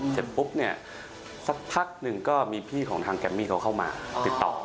เสร็จปุ๊บเนี่ยสักพักหนึ่งก็มีพี่ของทางแกมมี่เขาเข้ามาติดต่อ